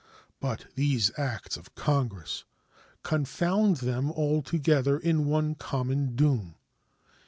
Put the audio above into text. But these acts of Congress confound them all together in one common doom.